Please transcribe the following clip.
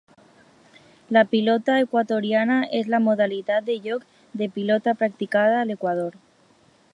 La Pilota equatoriana és la modalitat de joc de pilota practicada a l'Equador.